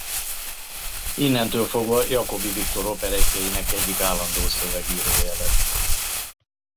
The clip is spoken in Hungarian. Innentől fogva Jacobi Viktor operettjeinek egyik állandó szövegírója lett.